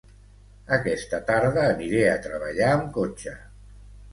Aquesta tarda aniré a treballar amb cotxe